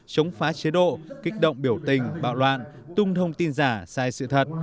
chống phá chế độ kích động biểu tình bạo loạn tung thông tin giả sai sự thật